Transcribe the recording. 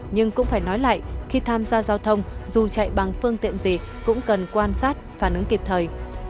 nhưng cũng phải nói lại khi tham gia giao thông dù chạy bằng phương tiện gì cũng cần quan sát phản ứng kịp thời